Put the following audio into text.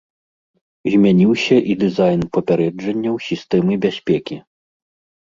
Змяніўся і дызайн папярэджанняў сістэмы бяспекі.